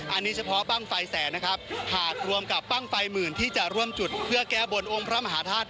อันนี้เฉพาะบ้างไฟแสนนะครับ